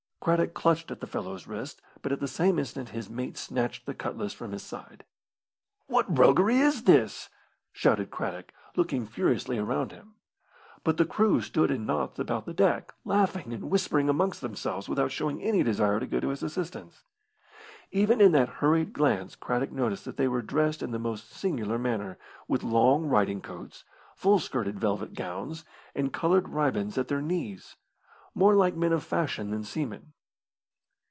Craddock clutched at the fellow's wrist, but at the same instant his mate snatched the cutlass from his side. "What roguery is this?" shouted Craddock, looking furiously around him. But the crew stood in knots about the deck, laughing and whispering amongst themselves without showing any desire to go to his assistance. Even in that hurried glance Craddock noticed that they were dressed in the most singular manner, with long riding coats, full skirted velvet gowns and coloured ribands at their knees, more like men of fashion than seamen.